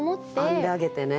編んであげてね。